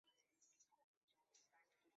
檬果樟为樟科檬果樟属下的一个种。